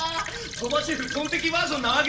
鳥羽シェフトンテキバージョンなわけだ。